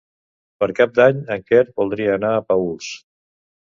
Per Cap d'Any en Quer voldria anar a Paüls.